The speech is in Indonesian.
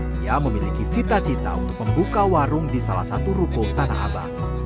dia memiliki cita cita untuk membuka warung di salah satu ruko tanah abang